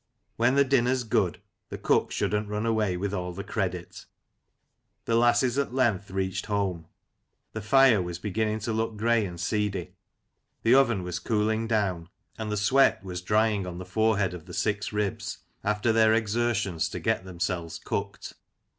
When the dinner's good, the cook shouldn't run away with all the credit The lasses at length reached home. The fire was beginning to look grey and seedy; the oven was cooling down, and the sweat was drying on the forehead of the " six ribs" after their exertions to get themselves cooked.